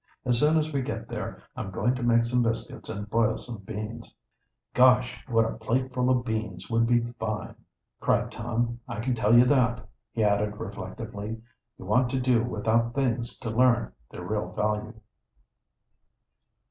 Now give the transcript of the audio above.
As soon as we get there I'm going to make some biscuits and boil some beans." "Gosh, but a plateful of beans would be fine!" cried Tom. "I can tell you what," he added reflectively; "you want to do without things to learn their real value."